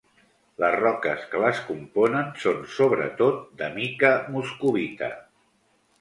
Les roques que les componen són, sobretot, de mica moscovita.